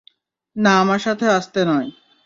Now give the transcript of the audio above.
না, আমার সঙ্গে আস্তে নয়।